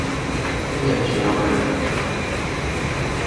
เพื่อนชวน อะ